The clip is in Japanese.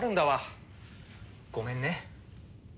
ごめんね。